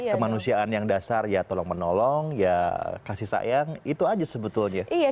kemanusiaan yang dasar ya tolong menolong ya kasih sayang itu aja sebetulnya